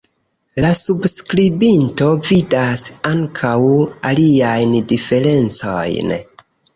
La subskribinto vidas ankaŭ aliajn diferencojn.